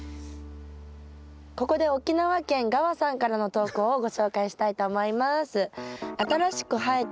ここで沖縄県がわさんからの投稿をご紹介したいと思います。